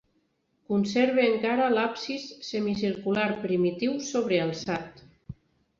Conserva encara l'absis semicircular primitiu sobrealçat.